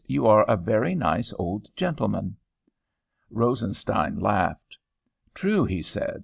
'You are a very nice old gentleman.' "Rosenstein laughed. 'True,' he said.